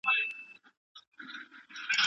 د کمپیوټر ساینس پوهنځۍ په غلطه توګه نه تشریح کیږي.